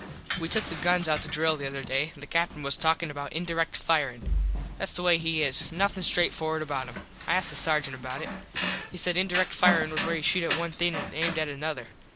We took the guns out to drill the other day. The Captin was talkin about indirect firin. Thats the way he is. Nothin straight forward about him. I asked the sargent about it. He said indirect firin was where you shot at one thing an aimed at another.